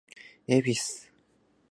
恵比寿